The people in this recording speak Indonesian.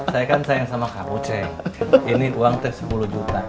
saya kan sayang sama kak uceng ini uang tes sepuluh juta